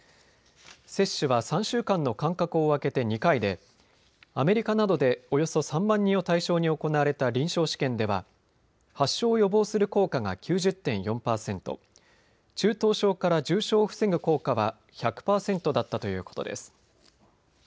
接種は３週間の間隔を空けて２回でアメリカなどでおよそ３万人を対象に行われた臨床試験では発症を予防する効果が９０．４％、中等症から重症を防ぐ効果は１００％だったということです。